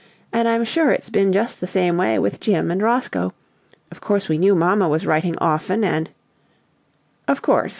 And I'm sure it's been just the same way with Jim and Roscoe. Of course we knew mamma was writing often and " "Of course!"